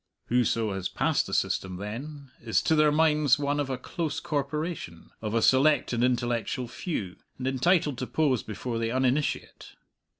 Whoso has passed the system, then, is to their minds one of a close corporation, of a select and intellectual few, and entitled to pose before the uninitiate.